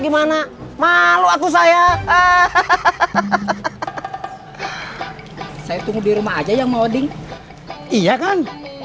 gimana malu aku saya hahaha saya tunggu di rumah aja yang mau ding iya kan